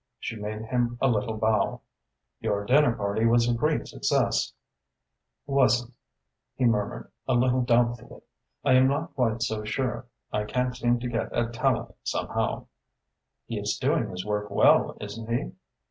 She made him a little bow. "Your dinner party was a great success." "Was it?" he murmured, a little doubtfully. "I am not quite so sure. I can't seem to get at Tallente, somehow." "He is doing his work well, isn't he?"